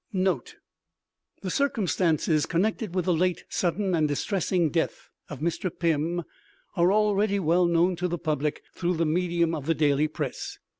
NOTE THE circumstances connected with the late sudden and distressing death of Mr. Pym are already well known to the public through the medium of the daily press.